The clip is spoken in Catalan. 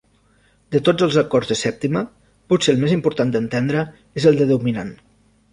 De tots els acords de sèptima, potser el més important d'entendre és el de dominant.